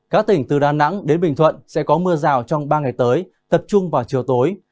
các tỉnh từ đà nẵng đến bình thuận sẽ có mưa rào trong ba ngày tới tập trung vào chiều tối